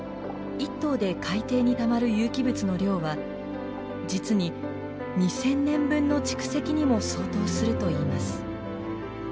１頭で海底にたまる有機物の量は実に２，０００年分の蓄積にも相当するといいます。